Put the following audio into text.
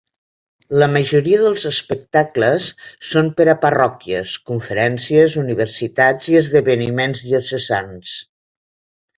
La majoria dels espectacles són per a parròquies, conferències, universitats i esdeveniments diocesans.